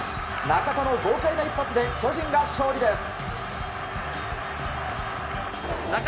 中田の豪快な一発で巨人が勝利です。